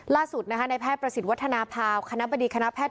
ล่าสุดในแพทย์ประสิทธิ์วัฒนภาพ